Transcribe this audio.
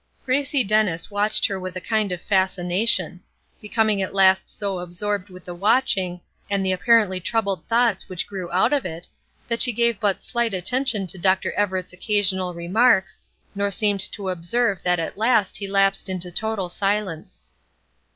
Gracie Dennis watched her with a kind of fascination; becoming at last so absorbed with the watching, and the apparently troubled thoughts which grew out of it, that she gave but slight attention to Dr. Everett's occasional remarks, nor seemed to observe that at last he lapsed into total silence.